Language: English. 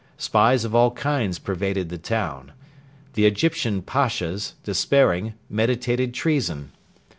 Spies of all kinds pervaded the town. The Egyptian Pashas, despairing, meditated treason.